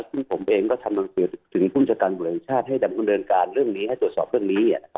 ซึ่งผมเองก็ทำลังเกี่ยวถึงพุทธการบริเวณชาติให้ดำเนินการเรื่องนี้ให้ตรวจสอบเรื่องนี้